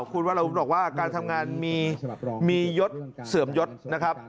คุณวรวุฒิบอกว่าการทำงานมียศเสื่อมยศนะครับ